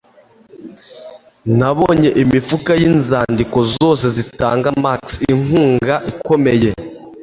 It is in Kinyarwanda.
Nabonye imifuka yinzandiko, zose zitanga Max inkunga ikomeye